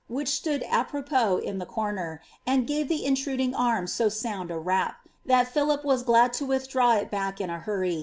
which stood apropos in a corner, and gave the intruding ami so sound a rap, th«l Philip was glad to draw it back in a hurry.